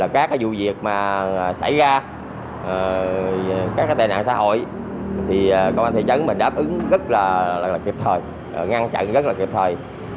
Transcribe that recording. các vụ việc xảy ra các tệ nạn xã hội thì công an thị trấn mình đáp ứng rất là kịp thời ngăn chặn rất là kịp thời